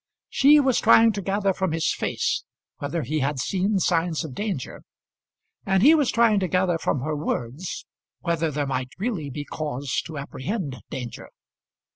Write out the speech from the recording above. She was trying to gather from his face whether he had seen signs of danger, and he was trying to gather from her words whether there might really be cause to apprehend danger.